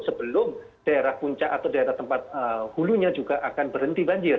sebelum daerah puncak atau daerah tempat hulunya juga akan berhenti banjir